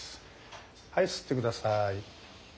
はい吸って下さい。